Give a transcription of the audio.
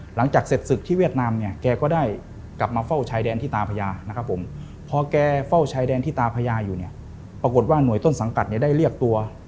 หลังจากเสร็จศึกที่เวียดนาม